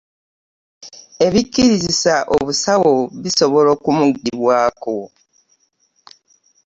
ebikkirizisa omusawo bisobola okumugibwako.